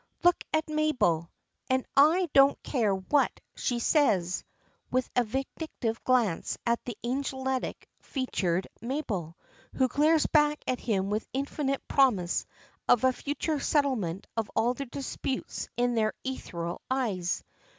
"Look at Mabel! And I don't care what she says," with a vindictive glance at the angelic featured Mabel, who glares back at him with infinite promise of a future settlement of all their disputes in her ethereal eyes.